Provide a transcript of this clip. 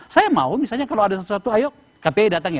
saya mau misalnya kalau ada sesuatu ayo kpi datangnya